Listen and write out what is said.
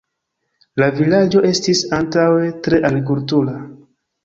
La vilaĝo estis antaŭe tre agrikultura.